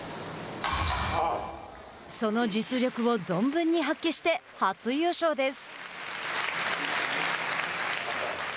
その実力を存分に発揮して初優勝です。